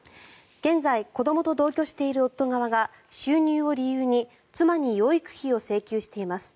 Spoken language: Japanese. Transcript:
現在、子どもと同居している夫側が収入を理由に妻に養育費を請求しています。